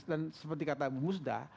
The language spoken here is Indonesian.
dan seperti kata ibu musda